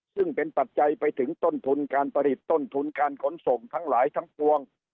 ซึ่งเป็นปัจจัยไปถึงต้นทุนการผลิตต้นทุนการขนส่งทั้งหลายทั้งปวง